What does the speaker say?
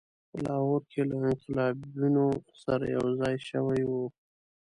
په لاهور کې له انقلابیونو سره یوځای شوی وو.